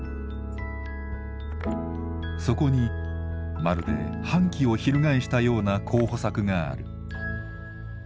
そこにまるで反旗を翻したような候補作がある。